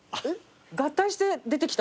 合体して出てきた。